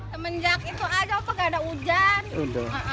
semenjak itu ada aku nggak ada hujan